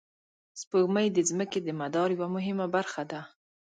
سپوږمۍ د ځمکې د مدار یوه مهمه برخه ده